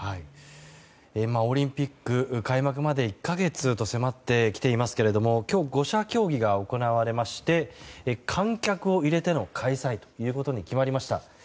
オリンピック開幕まで１か月と迫ってきていますけれども今日、５者協議が行われまして観客を入れての開催ということに決まりました。